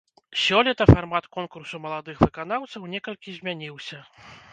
Сёлета фармат конкурсу маладых выканаўцаў некалькі змяніўся.